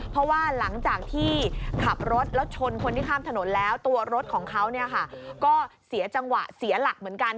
เพราะว่าหลังจากที่ขับรถแล้วชนคนที่ข้ามถนนแล้วตัวรถของเขาก็เสียจังหวะเสียหลักเหมือนกัน